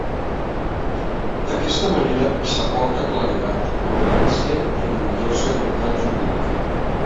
D'aquesta manera s'aporta claredat, coherència i una major seguretat jurídica.